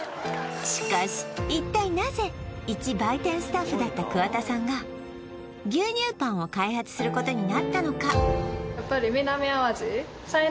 しかし一体なぜいち売店スタッフだった桑田さんが牛乳パンを開発することになったのか？